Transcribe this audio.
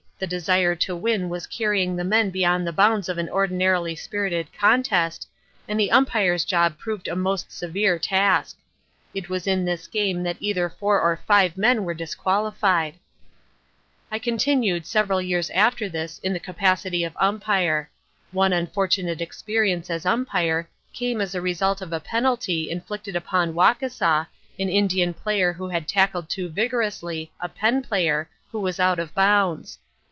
The desire to win was carrying the men beyond the bounds of an ordinarily spirited contest, and the Umpire's job proved a most severe task. It was in this game that either four or five men were disqualified. I continued several years after this in the capacity of Umpire. One unfortunate experience as Umpire came as a result of a penalty inflicted upon Wauseka, an Indian player who had tackled too vigorously a Penn' player who was out of bounds.